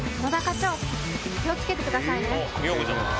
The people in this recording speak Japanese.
長気を付けてくださいね。